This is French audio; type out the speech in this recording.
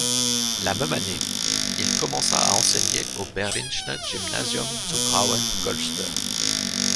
La même année, il commença à enseigner au Berlinisches Gymnasium zum Grauen Kloster.